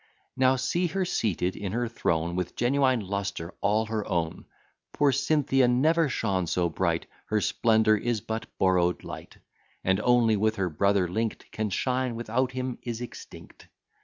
Now see her seated in her throne With genuine lustre, all her own: Poor Cynthia never shone so bright, Her splendour is but borrow'd light; And only with her brother linkt Can shine, without him is extinct.